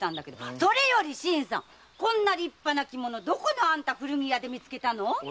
それよりこんな立派な着物どこの古着屋で見つけたの？